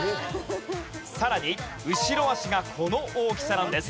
さらに後ろ脚がこの大きさなんです。